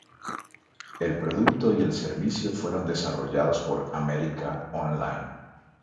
El producto y el servicio fueron desarrollados por America Online.